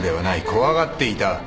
怖がっていた。